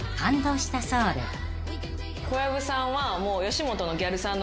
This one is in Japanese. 小籔さんはもう。